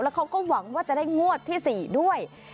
เขาก็หวังว่าจะได้งวดที่๔ด้วย